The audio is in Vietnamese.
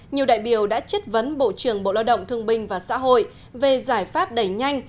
nhiều đại biểu đã chất vấn bộ trưởng bộ lao động thương binh và xã hội về giải pháp đẩy nhanh